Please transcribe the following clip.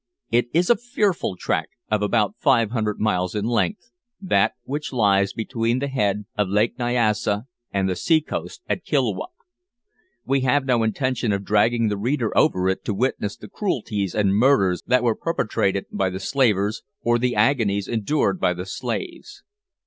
It is a fearful track, of about 500 miles in length, that which lies between the head of Lake Nyassa and the sea coast at Kilwa. We have no intention of dragging the reader over it to witness the cruelties and murders that were perpetrated by the slavers, or the agonies endured by the slaves.